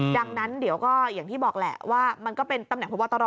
ดังนั้นเดี๋ยวก็อย่างที่บอกแหละว่ามันก็เป็นตำแหนพบตร